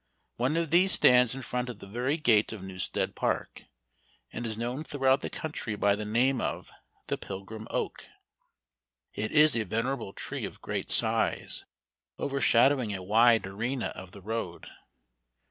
One of these stands in front of the very gate of Newstead Park, and is known throughout the country by the name of "The Pilgrim Oak." It is a venerable tree, of great size, overshadowing a wide arena of the road.